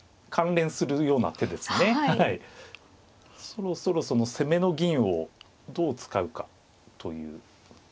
そろそろその攻めの銀をどう使うかという。